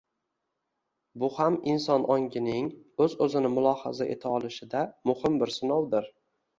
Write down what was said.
Bu ham inson ongining o`z-o`zini mulohaza eta olishida muhim bir sinovdir